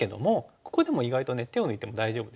ここでも意外と手を抜いても大丈夫です。